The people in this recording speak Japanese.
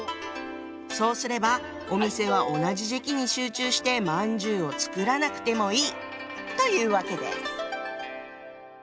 そうすればお店は同じ時期に集中してまんじゅうを作らなくてもいいというわけです。